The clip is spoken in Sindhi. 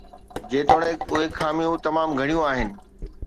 جيتوڻيڪ اهي خاميون تمام گهڻيون آهن